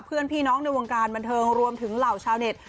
เพื่อนพี่น้องในวงการบันเทิงรวมถึงเหล่าชาวเน็ต